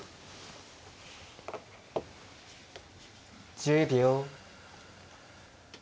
１０秒。